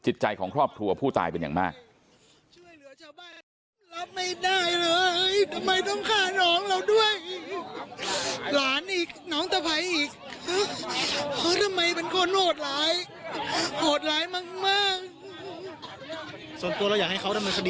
จิตใจของครอบครัวผู้ตายเป็นอย่างมาก